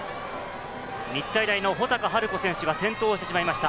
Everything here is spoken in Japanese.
日体大の保坂晴子選手が転倒してしまいました。